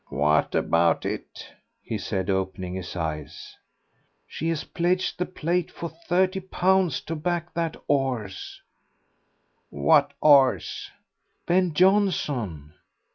"What about it?" he said, opening his eyes. "She has pledged the plate for thirty pounds to back that 'orse." "What 'orse?" "Ben Jonson."